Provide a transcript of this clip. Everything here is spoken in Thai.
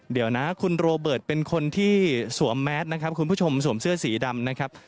เดี๋ยวนะคุณโรเบิร์ตเป็นคนที่สวมแมสนะครับคุณผู้ชมสวมเสื้อสีดำนะครับ